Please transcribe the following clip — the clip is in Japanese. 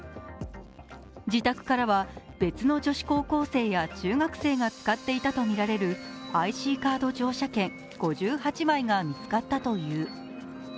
自宅からは別の女子高校生や中学生が使っていたとみられるＩＣカード乗車券５８枚が見つかったという。